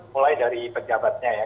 mulai dari pejabatnya ya